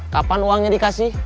kapan uangnya dikasih